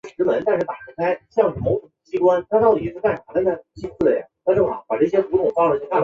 波斯小麦为禾本科小麦属下的一个变种。